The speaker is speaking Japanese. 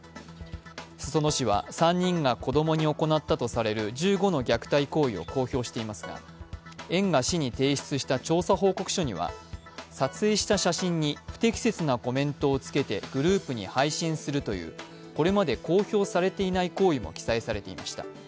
裾野市は３人が子供に行ったとされる１５の虐待行為を公表していますが、園が市に提出した調査報告書には撮影した写真に不適切なコメントをつけてグループに配信するというこれまで公表されていない行為も記載されていました。